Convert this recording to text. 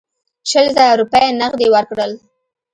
شل زره روپۍ نغدي ورکړل.